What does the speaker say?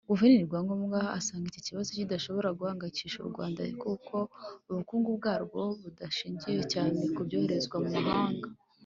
Guverineri Rwangombwa asanga iki kibazo kidashobora guhangayikisha u Rwanda kuko ubukungu bwarwo budashingiye cyane ku byoherezwa mu mahanga